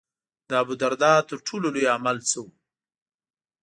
د ابوالدرداء تر ټولو لوی عمل څه و.